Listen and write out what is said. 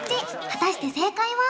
果たして正解は？